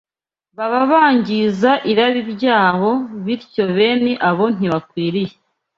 baba bangiza irari ryabo, bityo bene abo ntibakwiriye